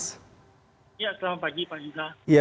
selamat pagi pak jika